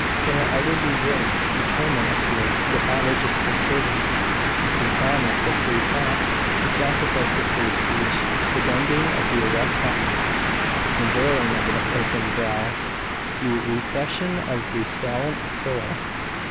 Can it ever be worth the torment of fear, the bondage of subservience? the compromise of free thought, the sacrifice of free speech, the bending of the erect head, the veiling of the open brow, the repression of the salient soul?